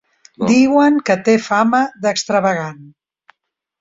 Diuen que té fama d'extravagant.